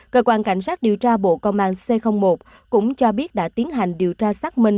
cơ quan cảnh sát điều tra bộ công an c một cũng cho biết đã tiến hành điều tra xác minh